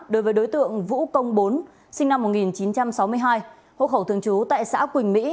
đối với đối tượng vũ công bốn sinh năm một nghìn chín trăm sáu mươi hai hộ khẩu thường trú tại xã quỳnh mỹ